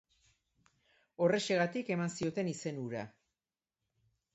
Horrexegatik eman zioten izen hura.